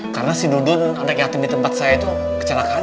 karena si dudun anak yatim di tempat saya itu kecelakaan